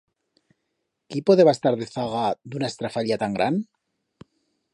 Quí podeba estar dezaga d'una estrafalla tan gran?